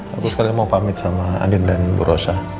aku sekalian mau pamit sama andin dan bu rosa